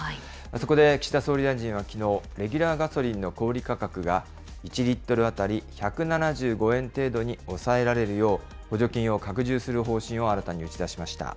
そこで岸田総理大臣はきのう、レギュラーガソリンの小売り価格が、１リットル当たり１７５円程度に抑えられるよう、補助金を拡充する方針を新たに打ち出しました。